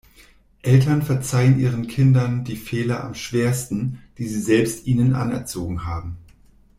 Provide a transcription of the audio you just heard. Eltern verzeihen ihren Kindern die Fehler am schwersten, die sie selbst ihnen anerzogen haben.